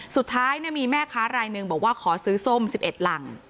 สุดท้ายมีแม่ค้ารายหนึ่งบอกว่าขอซื้อส้ม๑๑หลัง